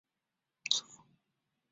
祖父陈赐全。